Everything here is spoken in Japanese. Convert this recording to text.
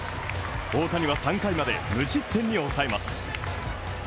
大谷は３回まで無失点に抑えます。